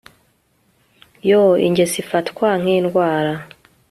Yoo Ingeso ifatwa nkindwara